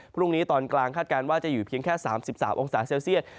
พรุ่งนี้ตอนกลางคาดการณ์ว่าจะอยู่เพียงแค่๓๓องศาเซลเซียต